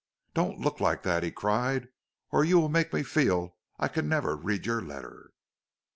"Don't look like that," he cried, "or you will make me feel I can never read your letter."